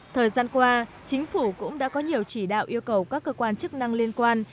thời gian qua chính phủ cũng đã có nhiều chỉ đạo yêu cầu các cơ quan chức năng liên quan